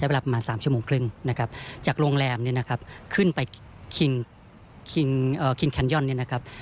ใช้เวลาประมาณสามชั่วโมงครึ่งนะครับจากโรงแรมเนี้ยนะครับขึ้นไปนี่นะครับ